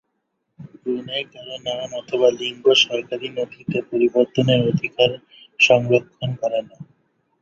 Brunei কারো নাম অথবা লিঙ্গ সরকারী নথিতে পরিবর্তনের অধিকার সংরক্ষণ করে না।